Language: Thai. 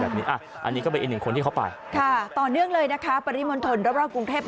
ถูกไหมแต่ละคนก็ไปจุดปุ๊บ